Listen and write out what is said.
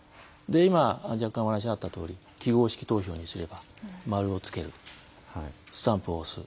今、若干お話があったとおり記号式投票にすれば、丸をつけるスタンプを押す。